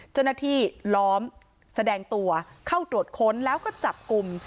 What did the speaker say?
เจ้าหน้าที่ล้อมแสดงตัวเข้าตรวจค้นแล้วก็จับกลุ่ม